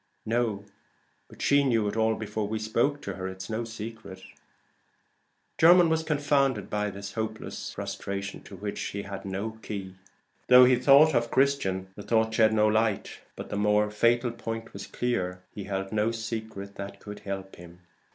"No; but she knew it all before we spoke to her. It's no secret." Jermyn was confounded by this hopeless frustration to which he had no key. Though he thought of Christian, the thought shed no light; but the more fatal point was clear: he held no secret that could help him.